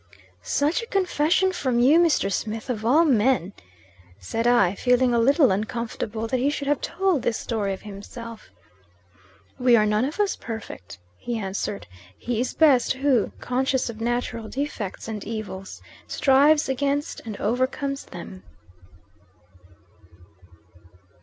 "Such a confession from you, Mr. Smith, of all men," said I, feeling a little uncomfortable, that he should have told this story of himself. "We are none of us perfect," he answered, "He is best, who, conscious of natural defects and evils, strives against, and overcomes them."